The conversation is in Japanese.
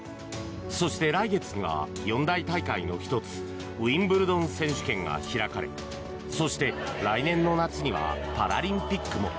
そして、来月には四大大会の１つウィンブルドン選手権が開かれそして来年の夏にはパラリンピックも。